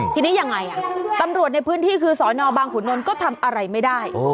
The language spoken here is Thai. ทีนี้ยังไงตำรวจในพื้นที่คือสอนอบางขุนนลก็ทำอะไรไม่ได้